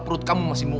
serius melupakan anda